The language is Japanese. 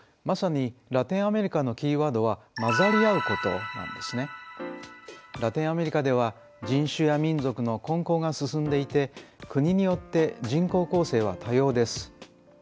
まさにラテンアメリカのキーワードはラテンアメリカでは人種や民族の混交が進んでいて国によって人口構成は多様です。